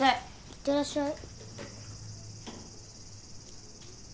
いってらっしゃい。